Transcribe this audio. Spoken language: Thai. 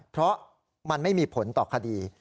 เพราะมันไม่มีผลต่อคดี